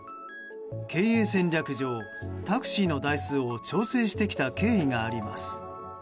経営戦略上、タクシーの台数を調整してきた経緯があります。